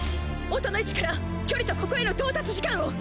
音の位置から距離とここへの到達時間を！